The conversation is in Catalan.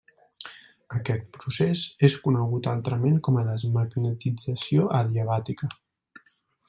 Aquest procés és conegut altrament com a desmagnetització adiabàtica.